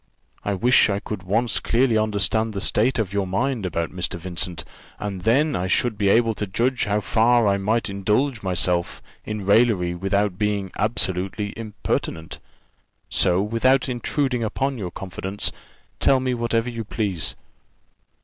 I wish I could once clearly understand the state of your mind about Mr. Vincent, and then I should be able to judge how far I might indulge myself in raillery without being absolutely impertinent. So without intruding upon your confidence, tell me whatever you please."